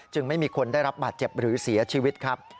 ไม่มีคนได้รับบาดเจ็บหรือเสียชีวิตครับ